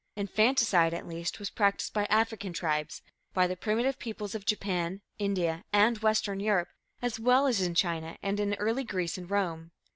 Infanticide, at least, was practiced by African tribes, by the primitive peoples of Japan, India and Western Europe, as well as in China, and in early Greece and Rome.